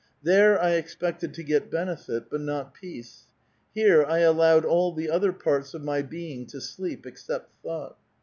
There I expected to get benefit, bnt not peace ; here I allowed all the otiier parts of my being to sleep, except thought.